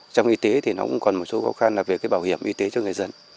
trong y tế thì nó cũng còn một số khó khăn là về cái bảo hiểm y tế cho người dân